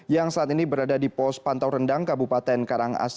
yang lebih baik